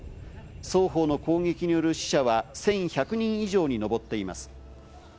双方の攻撃による死者は１１００人以上に上っています。